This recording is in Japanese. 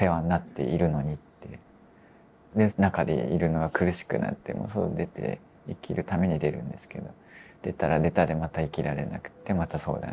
で中でいるのが苦しくなって外に出て生きるために出るんですけど出たら出たでまた生きられなくてまた相談に来て。